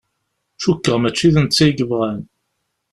Cukkeɣ mačči d netta i yebɣan.